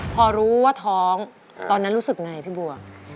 พอรู้ว่าท้องตอนนั้นรู้สึกไงพี่บัว